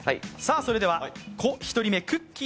それでは１人目、くっきー！